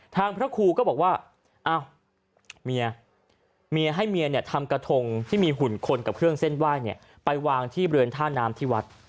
ทางพระครูก็บอกว่าเมียให้เมียทำกระทงที่มีหุ่นคนกับเครื่องเส้นไหว้ไปวางที่เบือนท่าน้ำที่วัด